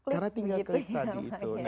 karena tinggal klik begitu ya